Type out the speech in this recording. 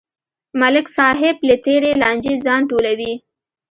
ملک صاحب له تېرې لانجې ځان ټولوي.